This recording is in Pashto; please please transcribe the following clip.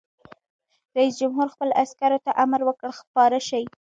رئیس جمهور خپلو عسکرو ته امر وکړ؛ خپاره شئ!